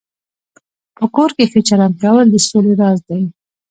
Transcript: په کور کې ښه چلند کول د سولې راز دی.